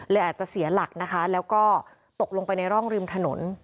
อาจจะเสียหลักนะคะแล้วก็ตกลงไปในร่องริมถนน